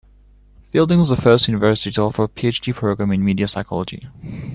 Fielding was the first university to offer a Ph.D program in media psychology.